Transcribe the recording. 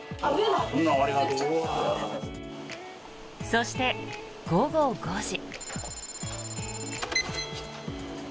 そして、午後５時。